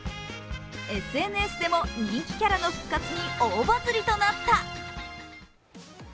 ＳＮＳでも人気キャラの復活に大バズりとなった。